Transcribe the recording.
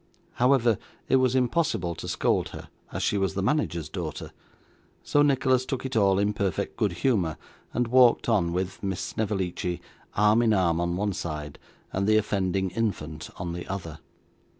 However, it was impossible to scold her, as she was the manager's daughter, so Nicholas took it all in perfect good humour, and walked on, with Miss Snevellicci, arm in arm on one side, and the offending infant on the other.